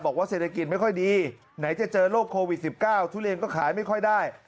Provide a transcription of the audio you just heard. เศรษฐกิจไม่ค่อยดีไหนจะเจอโรคโควิด๑๙ทุเรียนก็ขายไม่ค่อยได้